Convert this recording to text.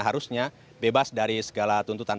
harusnya bebas dari segala tuntutan